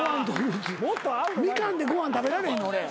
ミカンでご飯食べられへん俺。